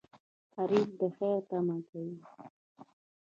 غریب د خیر تمه کوي